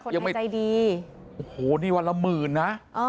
ยังไม่ใจดีโอ้โหนี่วันละหมื่นนะ